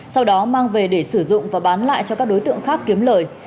sau đó mang về để sử dụng và bán lại cho các đối tượng khác kiếm lời